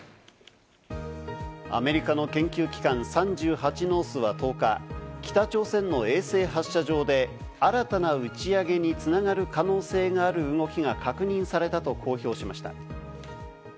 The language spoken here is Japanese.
アメリカの研究機関「３８ノース」は１０日、北朝鮮の衛星発射場で新たな打ち上げに繋がる可能性がある動きが確認されたと公表しました。